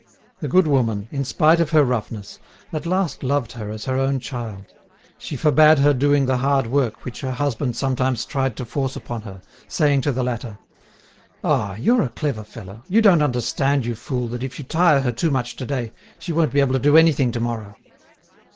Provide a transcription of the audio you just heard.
The good woman, in spite of her roughness, at last loved her as her own child; she forbade her doing the hard work which her husband sometimes tried to force upon her, saying to the latter: "Ah! you're a clever fellow! You don't understand, you fool, that if you tire her too much to day, she won't be able to do anything to morrow!"